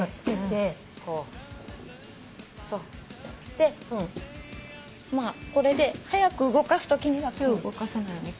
でこれで速く動かすときには手を動かさないように。